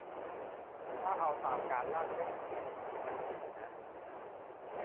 ถ้าเอาตามการลากเส้นเขียน มันผิดนะ